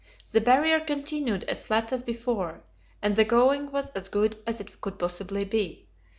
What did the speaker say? The Barrier continued as flat as before, and the going was as good as it could possibly be.